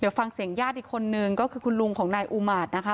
เดี๋ยวฟังเสียงญาติอีกคนนึงก็คือคุณลุงของนายอูมาตรนะคะ